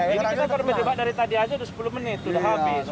ini kita berdebat dari tadi aja udah sepuluh menit udah habis